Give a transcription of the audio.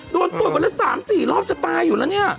โดนตรวจวันละ๓๔รอบจะตายอยู่แล้วเนี่ย